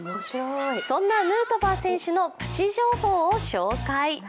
そんなヌートバー選手のプチ情報を紹介。